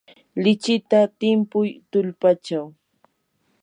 lichita timpuy tullpachaw.